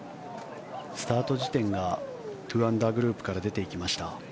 スタート時点が２アンダーグループから出ていきました。